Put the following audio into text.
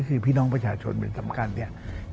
คือพี่น้องประชาชนเป็นสำคัญเนี่ย